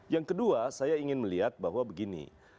yang kedua saya ingin melihat bahwa begini